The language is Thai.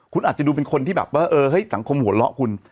คุณอาจจะดูเป็นคนที่แบบว่าเออเฮ้ยสังคมหัวเราะคุณ